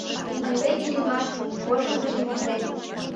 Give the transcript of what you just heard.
Ынде Иллимар вожылмыжым монден.